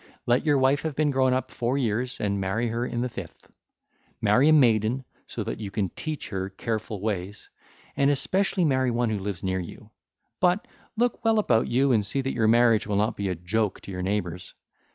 Let your wife have been grown up four years, and marry her in the fifth. Marry a maiden, so that you can teach her careful ways, and especially marry one who lives near you, but look well about you and see that your marriage will not be a joke to your neighbours.